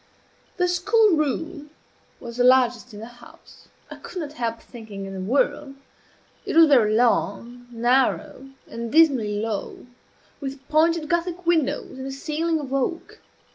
The school room was the largest in the house I could not help thinking, in the world. It was very long, narrow, and dismally low, with pointed Gothic windows and a ceiling of oak.